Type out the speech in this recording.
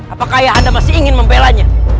apakah ayah anda masih ingin mempelanya